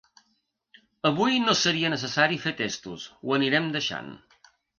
Avui no seria necessari fer testos, ho anirem deixant